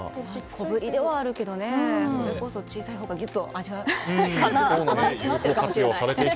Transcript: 小ぶりではあるけどそれこそ小さいほうが味は、甘みが詰まっているかもしれない。